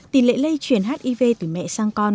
tỷ lệ lây chuyển hiv tuổi mẹ sang con